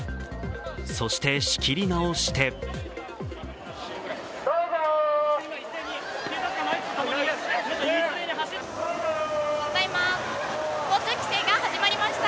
そして仕切り直してただいま交通規制が始まりました。